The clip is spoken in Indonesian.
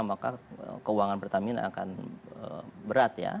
maka keuangan pertamina akan berat ya